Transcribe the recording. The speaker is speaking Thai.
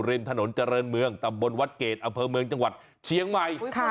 ริมถนนเจริญเมืองตำบลวัดเกรดอำเภอเมืองจังหวัดเชียงใหม่